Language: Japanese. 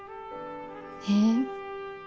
へえ。